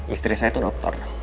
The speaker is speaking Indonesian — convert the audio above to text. istri saya itu dokter